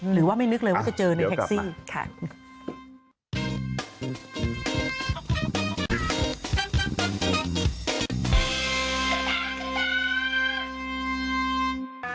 หรือว่าไม่นึกเลยว่าจะเจอในแท็กซี่เดี๋ยวกลับมา